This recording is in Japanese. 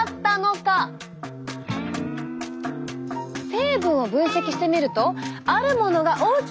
成分を分析してみるとあるものが大きく増えていました。